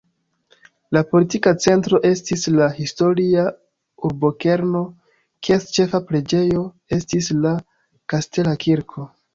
La politika centro estis la historia urbokerno, kies ĉefa preĝejo estis la kastela kirko.